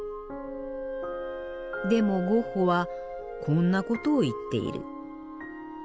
でもゴッホはこんなことを言っている。